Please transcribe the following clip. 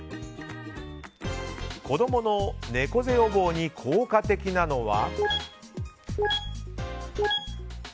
子供の猫背予防に効果的なのは。